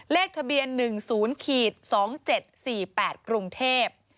เลขทะเบียน๑๐๒๗๔๘กรุงเทพ